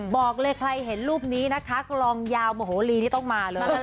บอกเลยใครเห็นรูปนี้นะคะกลองยาวมโหลีนี่ต้องมาเลย